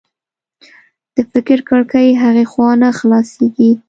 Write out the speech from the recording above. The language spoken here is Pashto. د فکر کړکۍ هغې خوا نه خلاصېږي